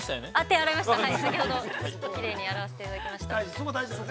◆はい、きれいに洗わせていただきました。